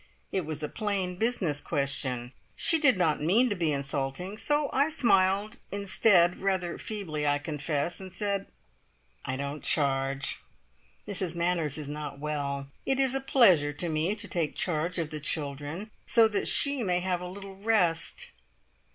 It was a plain business question. She did not mean to be insulting, so I smiled instead rather feebly, I confess and said: "I don't charge. Mrs Manners is not well. It is a pleasure to me to take charge of the children, so that she may have a little rest."